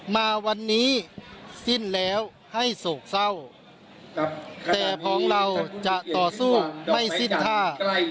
มาวันนี้สิ้นแล้วให้โศกเศร้าแต่ของเราจะต่อสู้ไม่สิ้นท่า